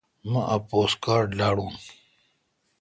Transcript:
مہ اک پوسٹ کارڈ لاڈون۔